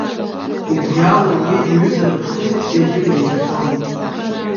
Убриала уи иҩызаратә функциагьы неигӡон.